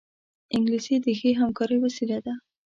انګلیسي د ښې همکارۍ وسیله ده